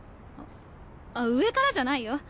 あっ上からじゃないよ！